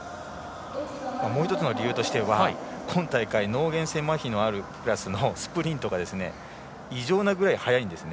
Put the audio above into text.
もう１つの理由としては今大会、脳原性まひのあるクラスのスプリントが異常なくらい速いんですね。